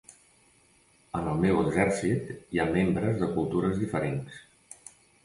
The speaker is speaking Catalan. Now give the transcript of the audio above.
En el meu exèrcit hi ha membres de cultures diferents.